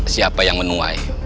siapa yang menuai